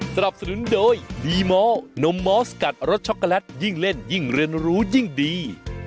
สนับสนุนโดยดีมอลนมมอสกัดรสช็อกโกแลตยิ่งเล่นยิ่งเรียนรู้ยิ่งดี